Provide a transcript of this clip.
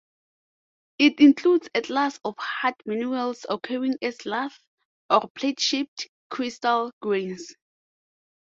It includes a class of hard minerals occurring as lath- or plate-shaped crystal grains.